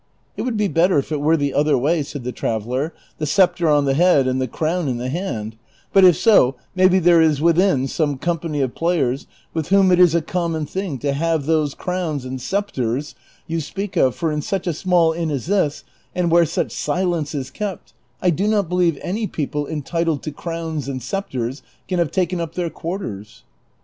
" It Avould be better if it were the other way," said the traveller, " the sceptre on the head and the croAvn in the hand ; but if so, maybe there is within some company of players, with whom it is a common thing to have those crowns and sceptres DON QUIXOTE HANGING FROM THE INN. Vol.1. Page 375. CHAPTER XLin. 375 you speak of ; for in such a small inn as this, and where such silence is kept, I do not believe any people entitled to crowns and sceptres can have taken up their quarters."